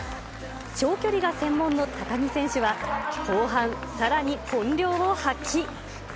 長距離が専門の高木選手は、後半、さらに本領を発揮。